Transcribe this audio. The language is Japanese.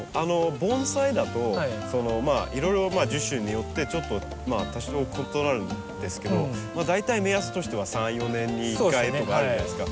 盆栽だといろいろ樹種によってちょっと多少異なるんですけど大体目安としては３４年に１回とかあるじゃないですか。